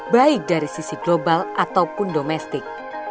baik dari sisi global ataupun domestik